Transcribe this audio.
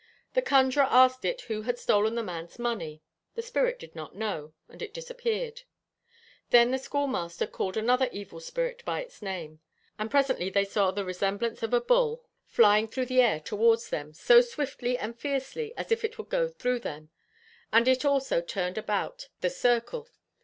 The conjuror asked it who had stolen the man's money; the spirit did not know, and it disappeared. Then the schoolmaster called another evil spirit by its name; and presently they saw the resemblance of a bull flying through the air towards them, so swiftly and fiercely as if it would go through them; and it also turned about the circle.